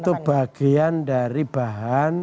itu bagian dari bahan